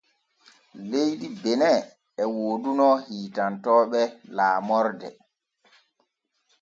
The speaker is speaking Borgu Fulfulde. Leydi Benin e wooduno hiitantonooɓe laamorde.